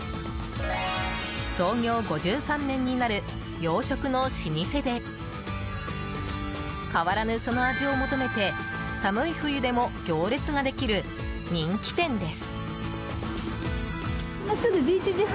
創業５３年になる洋食の老舗で変わらぬその味を求めて寒い冬でも行列ができる人気店です。